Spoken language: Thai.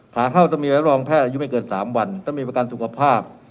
ขาเข้าต้องมีรับรองแพทย์อายุไม่เกิน๓วันต้องมีประกันสุขภาพ